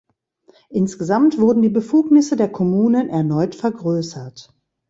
Insgesamt wurden die Befugnisse der Kommunen erneut vergrößert.